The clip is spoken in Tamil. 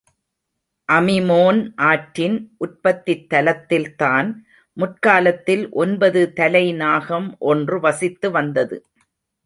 அமிமோன் ஆற்றின் உற்பத்தித் தலத்தில்தான் முற்காலத்தில் ஒன்பது தலை நாகம் ஒன்று வசித்து வந்தது.